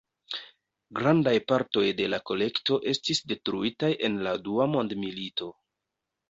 Grandaj partoj de la kolekto estis detruitaj en la dua mondmilito.